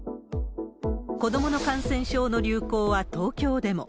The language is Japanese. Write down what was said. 子どもの感染症の流行は、東京でも。